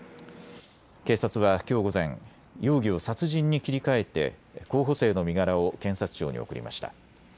警察はきょう午前、容疑を殺人に切り替えて候補生の身柄を検察庁に送りました。